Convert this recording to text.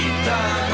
untuk saat ini